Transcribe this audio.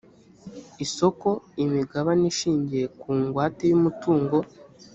isoko imigabane ishingiye ku ngwate y umutungo